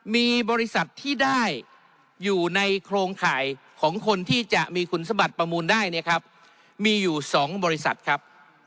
มีบริษัทที่ได้อยู่ในโครงข่ายของคนที่จะมีคุณสมบัติประมูลได้เนี่ยครับมีอยู่๒บริษัทครับ